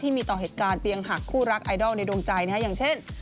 มีต่อเหตุการณ์เตียงหักคู่รักไอดอลในดวงใจอย่างเช่น